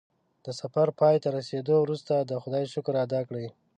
د سفر پای ته رسېدو وروسته د خدای شکر ادا کړه.